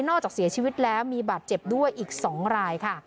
จากเสียชีวิตแล้วมีบาดเจ็บด้วยอีก๒รายค่ะ